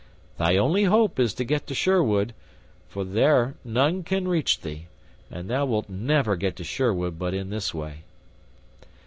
Thy only hope is to get to Sherwood, for there none can reach thee, and thou wilt never get to Sherwood but in this way."